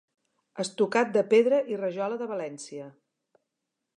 Estucat de pedra i rajola de València.